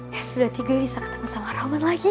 ya sudah tiga bisa ketemu sama roman lagi